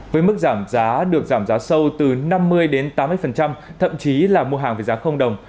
với mức giảm giá được giảm giá sâu từ năm mươi đến tám mươi thậm chí là mua hàng với giá đồng